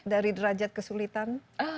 dari derajat kesulitan